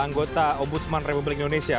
anggota ombudsman republik indonesia